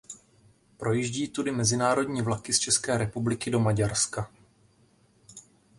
Projíždí tudy mezinárodní vlaky z České republiky do Maďarska.